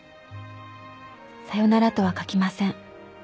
さよならとは書きません。